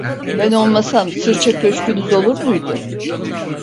Ben olmasam sırça köşkünüz olur muydu?